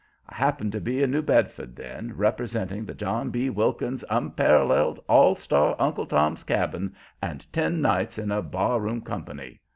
I happened to be in New Bedford then, representing the John B. Wilkins Unparalleled All Star Uncle Tom's Cabin and Ten Nights in a Bar room Company.